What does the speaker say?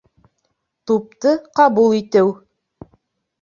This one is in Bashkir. Тупты ҡабул итеү